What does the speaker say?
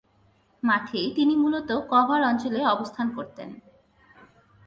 মাঠে তিনি মূলত কভার অঞ্চলে অবস্থান করতেন।